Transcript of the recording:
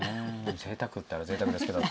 ぜいたくったらぜいたくですけど。